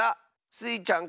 スイちゃん